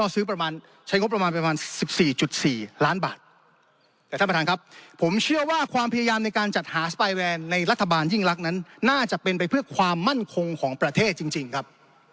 สปายแวร์ในรัฐบาลยิ่งรักนั้นน่าจะเป็นไปเพื่อความมั่นคงของประเทศจริงครับ